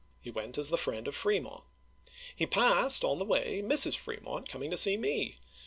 He went as the friend of Fremont. He passed, on the way, Mrs. Fremont, coming to see me.